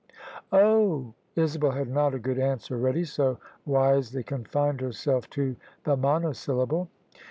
" Oh !" Isabel had not a good answer ready, so wisely confined herself to the monosyllable.